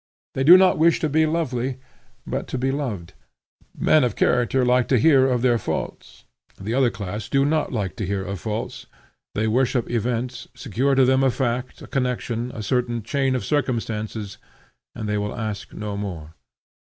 They do not wish to be lovely, but to be loved. Men of character like to hear of their faults; the other class do not like to hear of faults; they worship events; secure to them a fact, a connection, a certain chain of circumstances, and they will ask no more.